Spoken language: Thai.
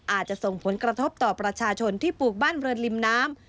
อาจจะส่งผลกระทบต่อประชาชนที่ปลูกบ้านเรือนริมน้ำ